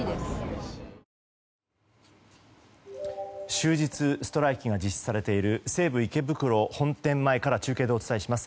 終日ストライキが実施されている西武池袋本店前から中継でお伝えします。